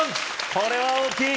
これは大きい！